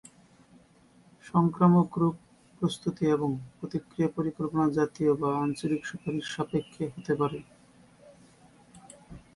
সংক্রামক রোগ প্রস্তুতি এবং প্রতিক্রিয়া পরিকল্পনা জাতীয় বা আঞ্চলিক সুপারিশ সাপেক্ষে হতে পারে।